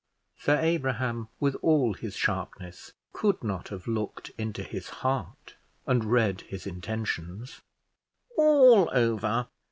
Sir Abraham, with all his sharpness, could not have looked into his heart and read his intentions. "All over.